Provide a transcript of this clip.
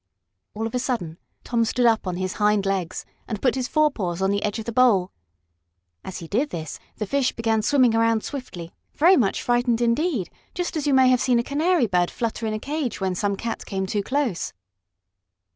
All of a sudden Tom stood up on his hind legs and put his forepaws on the edge of the bowl. As he did this the fish began swimming around swiftly, very much frightened, indeed, just as you may have seen a canary bird flutter in a cage when some cat came too close.